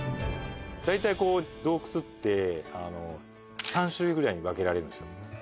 大体こう洞窟ってあの３種類ぐらいに分けられるんですよ